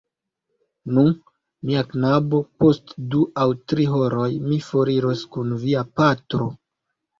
Nu, mia knabo, post du aŭ tri horoj mi foriros kun via patro...